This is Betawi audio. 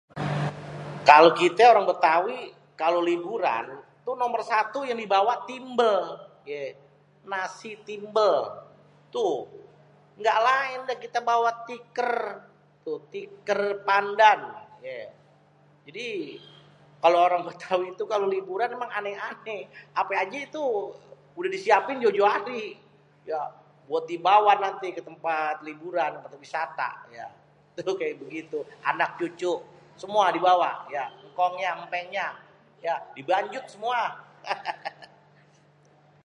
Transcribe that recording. Kalo kité orang Betawi kalo liburan nomor satu yang dibawa timbel gitu nasi timbel tuh , engga laen kita mah bawa tiker tu tiker pandan ye jadi kalo orang Betawi tuh kalo liburan tuh emang aneh-aneh ape aje itu udeh disiapin jauh-jauh hari ya buat dibawa nanti buat liburan pariwisata ya seru keya begitu anak cucu semua dibawa ya engkong ya dibanjut semua hahaha